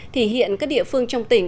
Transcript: thì hiện các địa phương trong tỉnh